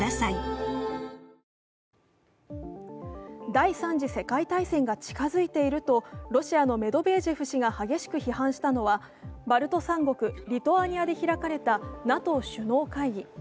第三次世界大戦が近づいていると、ロシアのメドベージェフ氏が激しく批判したのはバルト三国・リトアニアで開かれたＮＡＴＯ首脳会談。